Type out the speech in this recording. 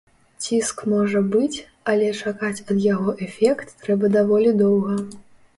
Ціск можа быць, але чакаць ад яго эфект трэба даволі доўга.